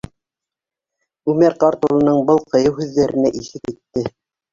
Үмәр ҡарт улының был ҡыйыу һүҙҙәренә иҫе китте.